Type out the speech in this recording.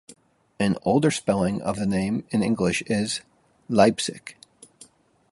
An older spelling of the name in English is Leipsic.